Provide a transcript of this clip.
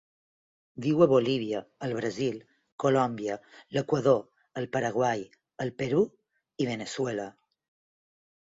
Viu a Bolívia, el Brasil, Colòmbia, l'Equador, el Paraguai, el Perú i Veneçuela.